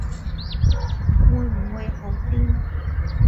會唔會好癲